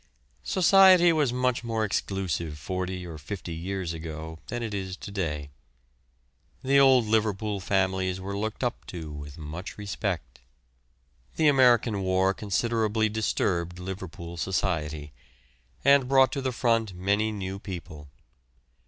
Society was much more exclusive forty or fifty years ago than it is to day. The old Liverpool families were looked up to with much respect. The American war considerably disturbed Liverpool society, and brought to the front many new people.